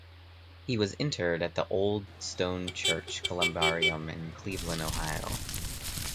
He was interred at the Old Stone Church columbarium in Cleveland, Ohio.